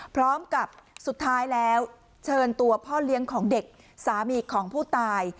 สุดท้ายแล้วเชิญตัวพ่อเลี้ยงของเด็กสามีของผู้ตาย